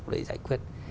để giải quyết